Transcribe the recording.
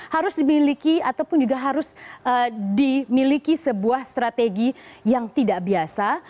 harus dimiliki ataupun juga harus dimiliki sebuah strategi yang tidak biasa